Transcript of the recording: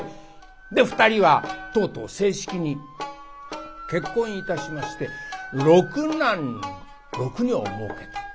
で２人はとうとう正式に結婚いたしまして６男６女をもうけた。